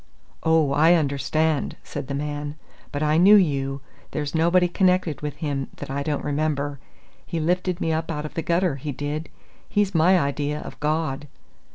"Oh, I understand," said the man. "But I knew you! There's nobody connected with him that I don't remember. He lifted me up out of the gutter, he did. He's my idea of God!"